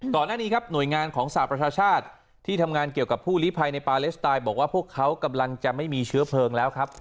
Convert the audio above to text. ก่อนหน้านี้ครับหน่วยงานของสหประชาชาติที่ทำงานเกี่ยวกับผู้ลิภัยในปาเลสไตน์บอกว่าพวกเขากำลังจะไม่มีเชื้อเพลิงแล้วครับ